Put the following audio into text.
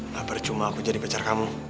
gak percuma aku jadi pacar kamu